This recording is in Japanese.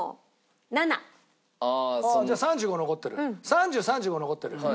３０３５残ってる。